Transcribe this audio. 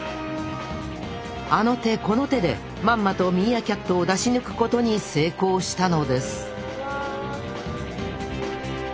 あの手この手でまんまとミーアキャットを出し抜くことに成功したのです